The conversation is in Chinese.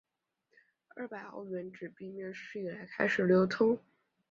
二百欧元纸币面世以来开始流通。